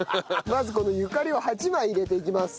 まずこのゆかりを８枚入れていきます。